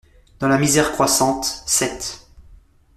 Dans la misère croissante (sept.